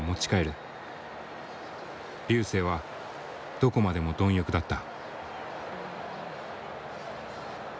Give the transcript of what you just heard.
瑠星はどこまでも貪欲だった。